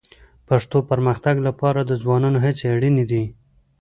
پښتو پرمختګ لپاره د ځوانانو هڅې اړیني دي